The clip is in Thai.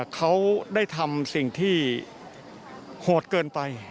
เขาได้ทำสิ่งที่โหดเกินไป